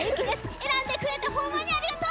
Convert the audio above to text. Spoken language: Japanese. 選んでくれてホンマにありがとう！